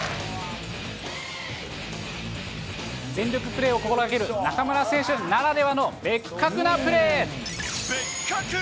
全力プレーを心がける中村選手ならではのベッカクなプレー。